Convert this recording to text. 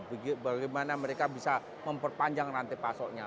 bagaimana mereka bisa memperpanjang nanti pasoknya